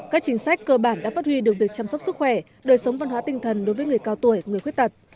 các chính sách cơ bản đã phát huy được việc chăm sóc sức khỏe đời sống văn hóa tinh thần đối với người cao tuổi người khuyết tật